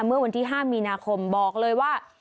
เมื่อวันที่๕มีนาคมบอกเลยว่า